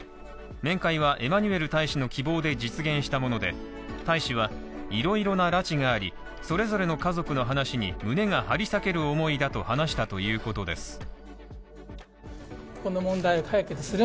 面会はエマニュエル大使の希望で実現したもので大使はいろいろな拉致があり、それぞれの家族の話に胸が張り裂ける思いだと話したということです